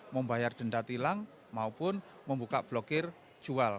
membayar denda tilang maupun membuka blokir jual